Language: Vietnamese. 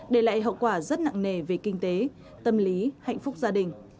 để lại hậu quả rất nặng nề về kinh tế tâm lý hạnh phúc gia đình